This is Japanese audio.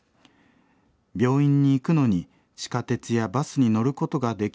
病院に行くのに地下鉄やバスに乗ることができずつらいです。